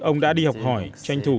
ông đã đi học hỏi tranh thủ